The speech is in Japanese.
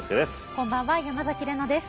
こんばんは山崎怜奈です。